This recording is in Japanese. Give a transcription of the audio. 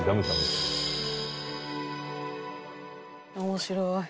面白い。